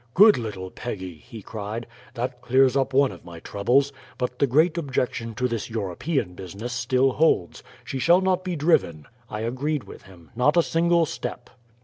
"Good little Peggy!" he cried. "That clears up one of my troubles. But the great objection to this European business still holds. She shall not be driven." I agreed with him not a single step!